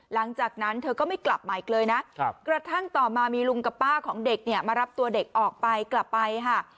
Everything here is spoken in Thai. หลังจากนั้นเธอก็ไม่กลับมาอีกเลยนะกระทั่งต่อมามีลุงกับป้าของเด็กเนี่ยมารับตัวเด็กออกไปกลับไปค่ะ